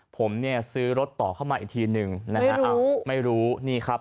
ผมเนี่ยซื้อรถต่อเข้ามาอีกทีหนึ่งนะฮะอ้าวไม่รู้นี่ครับ